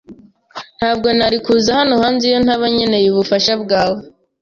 Ntabwo nari kuza hano hanze iyo ntaba nkeneye ubufasha bwawe.